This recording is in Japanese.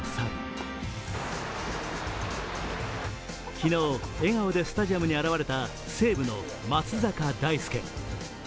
昨日、笑顔でスタジアムに現れた西武の松坂大輔。